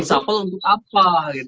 tapi reshuffle untuk apa